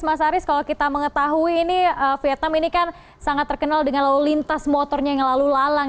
mas haris kalau kita mengetahui ini vietnam ini kan sangat terkenal dengan lalu lintas motornya yang lalu lalang